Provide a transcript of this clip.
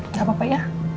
nggak apa apa ya